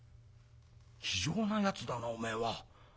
気丈なやつだなおめえは」。